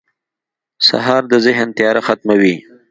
سهار د ذهن تیاره ختموي.